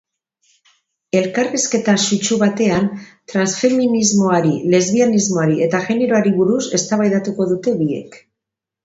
Elkarrizketa sutsu batean, transfeminismoari, lesbianismoari eta generoari buruz eztabaidatuko dute biek.